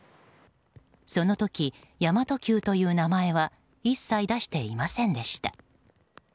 その時、神真都Ｑという名前は一切出していませんでした。